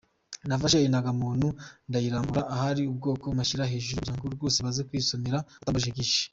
Nafashe indangamuntu ndayirambura ahari ubwoko mpashyira hejuru kugirango rwose baze kwisomera batambajije byinshi.